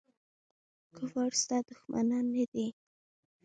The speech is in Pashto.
کفار ستا دښمنان نه دي.